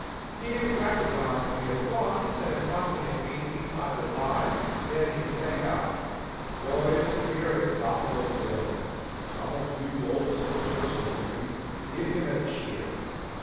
He recognized me at once, and accompanied me inside the line; then he sang out: "Boys, here's Buffalo Bill. Some of you old soldiers know him; give him a cheer!"